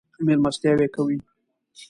مېلمستیاوې یې کوي.